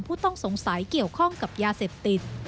ผู้ต้องสงสัยเกี่ยวข้องกับยาเสพติด